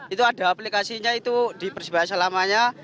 itu ada aplikasinya itu di persebaya selamanya